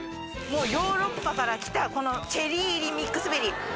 もうヨーロッパからきたこのチェリー入りミックスベリー。